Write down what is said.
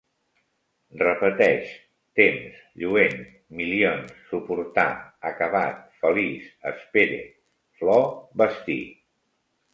Repeteix: temps, lluent, milions, suportar, acabat, feliç, espere, flor, vestir